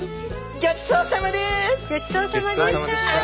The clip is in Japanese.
ギョちそうさまでした。